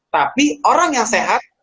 tapi orang yang sehat